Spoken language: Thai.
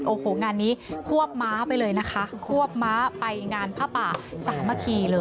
โอ้โหงานนี้ควบม้าไปเลยนะคะควบม้าไปงานผ้าป่าสามัคคีเลย